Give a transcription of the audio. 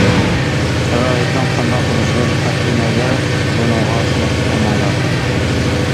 شارائىتنىڭ قانداق بولۇشىدىن قەتئىينەزەر، بۇنىڭغا خىلاپلىق قىلماڭلار.